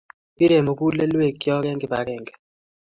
Pirei mugulelwekyok eng kipakenge